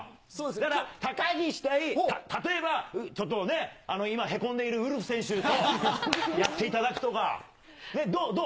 だから高岸対、例えばちょっとね、今へこんでいるウルフ選手にやっていただくとか、どう？